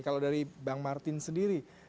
kalau dari bang martin sendiri